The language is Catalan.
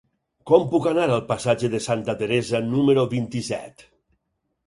Com puc anar al passatge de Santa Teresa número vint-i-set?